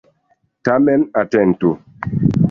Tamen atentu!